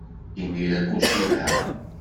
Imir-a, kullec yelha.